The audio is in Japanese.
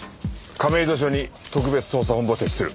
亀戸署に特別捜査本部を設置する。